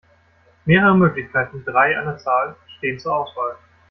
Mehrere Möglichkeiten, drei an der Zahl, stehen zur Auswahl.